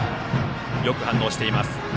よく反応しています。